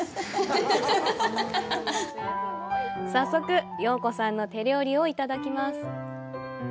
早速、陽子さんの手料理をいただきます。